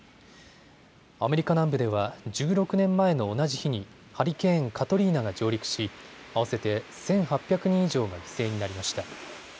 アメリカ南部では１６年前の同じ日にハリケーン、カトリーナが上陸し合わせて１８００人以上が犠牲になりました。